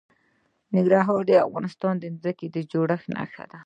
ننګرهار د افغانستان د ځمکې د جوړښت نښه ده.